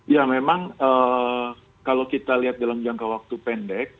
ya memang kalau kita lihat dalam jangka waktu pendek